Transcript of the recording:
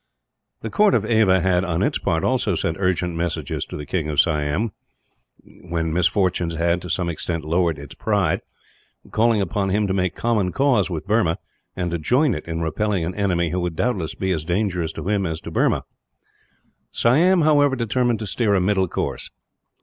The court of Ava had, on its part, also sent urgent messages to the King of Siam when misfortunes had, to some extent, lowered its pride calling upon him to make common cause with Burma, and to join it in repelling an enemy who would doubtless be as dangerous to him as to Burma. Siam, however, determined to steer a middle course.